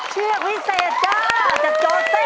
เชือกวิเศษจ้าจากโจเซ